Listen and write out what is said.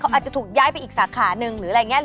อาจจะถูกย้ายไปอีกสาขาหนึ่งหรืออะไรอย่างนี้